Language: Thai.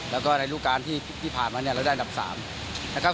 แล้วก็ในรูปการณ์ที่ผ่านมาเนี่ยเราได้อันดับ๓นะครับ